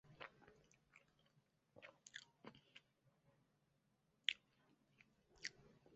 故科学的发展史就是一部人类对自然界的认识偏差的纠正史。